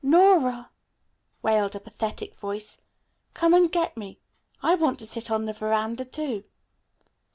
"N o r a," wailed a pathetic voice. "Come and get me. I want to sit on the veranda, too."